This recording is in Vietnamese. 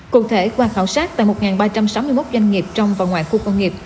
cụ thể qua khảo sát tại một ba trăm sáu mươi một doanh nghiệp trong và ngoài khu công nghiệp